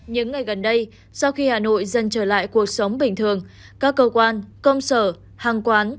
những ngày gần đây sau khi hà nội dần trở lại cuộc sống bình thường các cơ quan công sở hàng quán